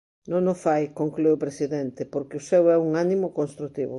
Non o fai, conclúe o presidente, porque o seu é un "ánimo construtivo".